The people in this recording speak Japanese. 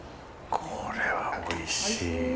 これはおいしい。